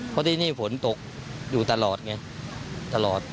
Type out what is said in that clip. เพราะที่นี่ฝนตกอยู่ตลอดไงตลอด